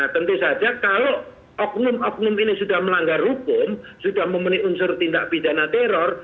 tentu saja kalau oknum oknum ini sudah melanggar hukum sudah memenuhi unsur tindak pidana teror